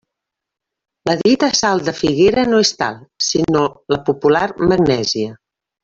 La dita sal de figuera no és tal, sinó la popular magnèsia.